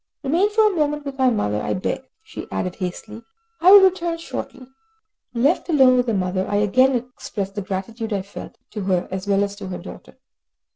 Remain for a moment with my mother, I beg," she added hastily, "I will return shortly." Left alone with the mother, I again expressed the gratitude I felt, to her as well as to her daughter.